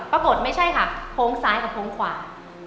ปรากฏไม่ใช่ค่ะโค้งซ้ายกับโค้งขวา